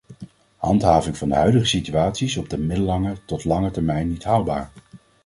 Handhaving van de huidige situatie is op de middellange tot lange termijn niet haalbaar.